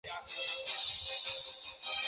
第一次世界大战后成为法国委任统治地。